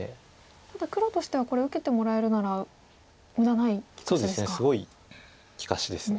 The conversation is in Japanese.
ただ黒としてはこれ受けてもらえるなら無駄ない利かしですか。